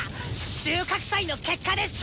収穫祭の結果で勝負だ！